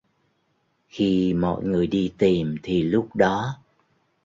Khi mọi người đi tìm thì lúc đó